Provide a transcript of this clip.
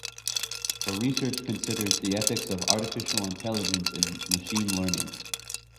Her research considers the ethics of artificial intelligence and machine learning.